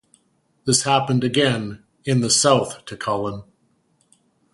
This happened again in the south to Cullin.